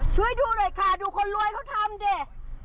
ช่วยดูด้วยค่ะดูคนรวยเขาทำลงได้ครับ